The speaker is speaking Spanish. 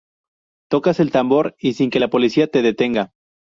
tocas el tambor y sin que la policía te detenga